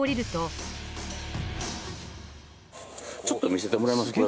・ちょっと見せてもらえます？